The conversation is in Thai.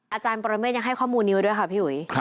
อาจารย์ปรเมฆยังให้ข้อมูลนี้ไว้ด้วยค่ะพี่อุ๋ย